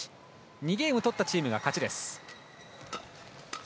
２ゲーム取ったチームが勝ち。